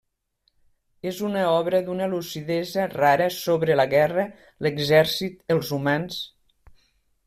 És una obra d'una lucidesa rara sobre la guerra, l'exèrcit, els humans.